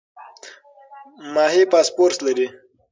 ماهي فاسفورس لري.